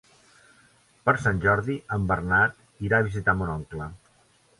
Per Sant Jordi en Bernat irà a visitar mon oncle.